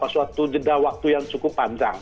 suatu jeda waktu yang cukup panjang